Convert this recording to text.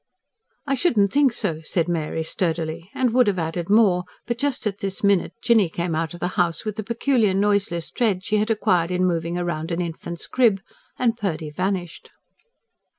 "I shouldn't think so," said Mary sturdily, and would have added more, but just at this minute Jinny came out of the house, with the peculiar noiseless tread she had acquired in moving round an infant's crib; and Purdy vanished.